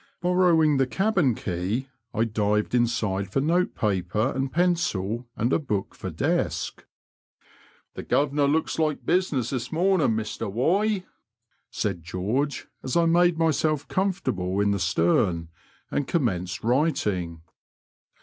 Borrowing the cabin key, I dived inside for notepaper and pencil and a book for desk. The guv'nor looks like business this morning, Mr Y ," said George, as I made myself comfortable in the^ stern and commenced writing.